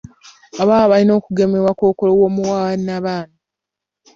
Abawala balina okugemebwa kkookolo w'omumwa gwa nnabaana.